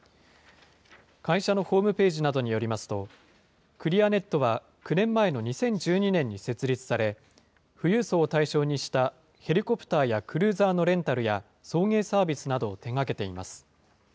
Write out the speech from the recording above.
会社のホームページなどによりますと、クリアネットは９年前の２０１２年に設立され、富裕層を対象にしたヘリコプターやクルーザーのレンタルや、送迎サービスなどを手がけています。